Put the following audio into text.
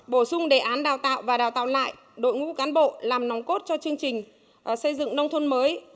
bổ sung đề án đào tạo và đào tạo lại đội ngũ cán bộ làm nòng cốt cho chương trình xây dựng nông thôn mới